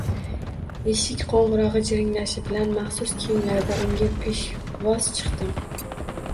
Eshik qo`ng`irog`i jirinlashi bilan maxsus kiyimlarda unga peshvoz chiqdim